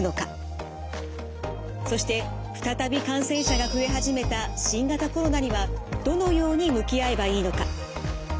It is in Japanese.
そして再び感染者が増え始めた新型コロナにはどのように向き合えばいいのか？